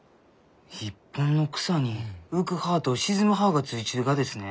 一本の草に浮く葉と沈む葉がついちゅうがですね？